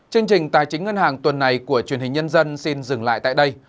chương trình tài chính ngân hàng tuần này của truyền hình nhân dân xin dừng lại tại đây